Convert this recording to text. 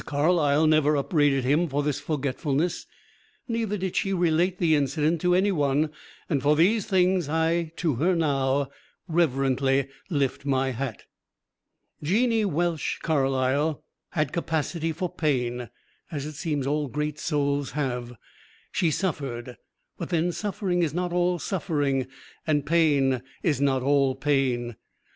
Carlyle never upbraided him for this forgetfulness, neither did she relate the incident to any one, and for these things I to her now reverently lift my hat. Jeannie Welsh Carlyle had capacity for pain, as it seems all great souls have. She suffered but then suffering is not all suffering and pain is not all pain.